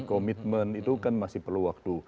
komitmen itu kan masih perlu waktu